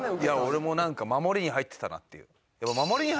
俺もなんか守りに入ってたなっていう。